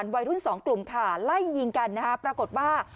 วัยรุ่นสองกลุ่มค่ะไล่ยิงกันนะฮะปรากฏว่า